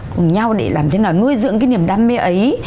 cùng nhau để làm thế nào nuôi dưỡng cái niềm đam mê ấy